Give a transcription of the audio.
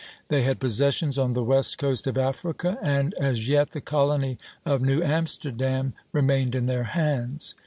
They had possessions on the west coast of Africa, and as yet the colony of New Amsterdam remained in their hands.